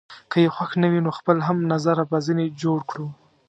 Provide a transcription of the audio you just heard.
که يې خوښ نه وي، نو خپل هم نظره به ځینې جوړ کړو.